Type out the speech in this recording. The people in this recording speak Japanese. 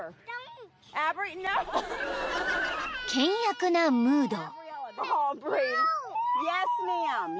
［険悪なムード］